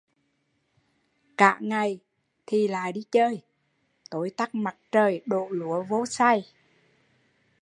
Cả ngày thì lại đi chơi, tối tắt mặt trời, đổ lúa vô xay